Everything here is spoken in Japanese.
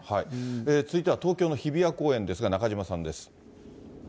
続いては東京の日比谷公園ですが、中島さんです。